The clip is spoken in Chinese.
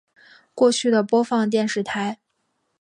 过去的播放电视台